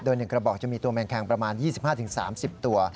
โดย๑กระบอกจะมีตัวแมงแคงประมาณ๒๕๓๐ตัว